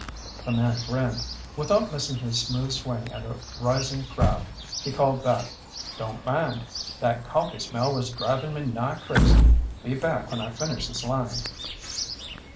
The man grinned. Without missing his smooth swing at a rising crab, he called back, "Don't mind. That coffee smell was drivin' me nigh crazy. Be back when I finish this line."